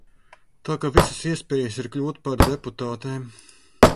Tā ka visas iespējas ir kļūt par deputātēm.